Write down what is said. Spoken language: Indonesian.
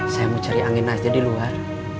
saya mau cari angin aja di luar